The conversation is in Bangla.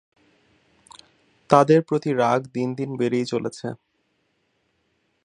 তাদের প্রতি রাগ দিন দিন বেড়েই চলেছে।